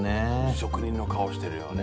職人の顔してるよね。